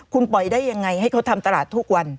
คุณปล่อยได้ยังไงให้เขาทำตลาดทุกวัน